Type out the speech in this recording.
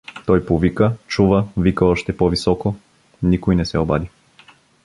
Той повика, чува, вика още по-високо — никой не се обади.